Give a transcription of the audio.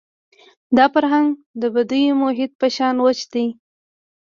دا فرهنګ د بدوي محیط په شان وچ دی.